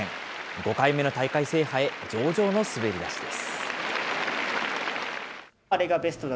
５回目の大会制覇へ上々の滑り出しです。